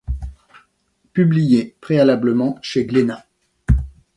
Publiée préalablement chez Glénat.